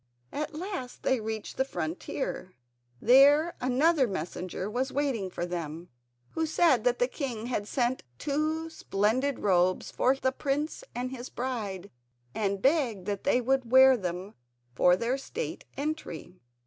At last they reached the frontier; there another messenger was waiting for them, who said that the king had sent two splendid robes for the prince and his bride, and begged that they would wear them for their state entry.